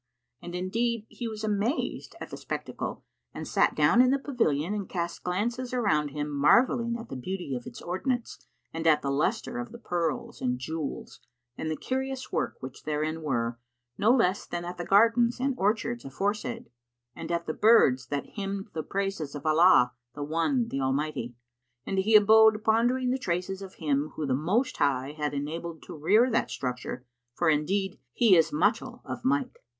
And indeed he was amazed at the spectacle and sat down in the pavilion and cast glances around him marvelling at the beauty of its ordinance and at the lustre of the pearls and jewels and the curious works which therein were, no less than at the gardens and orchards aforesaid and at the birds that hymned the praises of Allah, the One, the Almighty; and he abode pondering the traces of him whom the Most High had enabled to rear that structure, for indeed He is muchel of might.